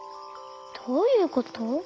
どういうこと？